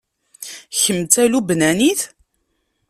Kemm d Talubnanit?